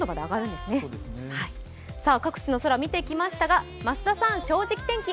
各地の空、見てきましたが増田さん「正直天気」